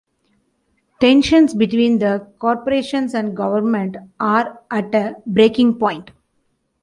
Tensions between the corporations and government are at a breaking point.